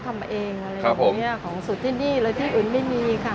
ทำมาเองอะไรอย่างนี้ของสูตรที่นี่และที่อื่นไม่มีค่ะ